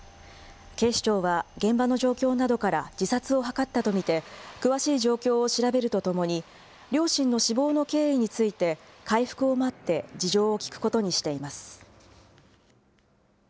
警視庁は現場の状況などから自殺を図ったと見て、詳しい状況を調べるとともに、両親の死亡の経緯について、回復を待って事情を聴くことにしています。